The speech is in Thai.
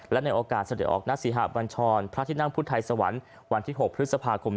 และในโอกาสเสด็จออกณศรีหะบัญชรพระที่นั่งพุทธไทยสวรรค์วันที่๖พฤษภาคม